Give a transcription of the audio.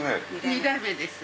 ２代目です。